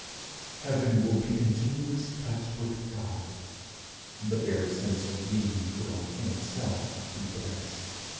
Heaven will be continuous touch with God. The very sense of being will in itself be bliss.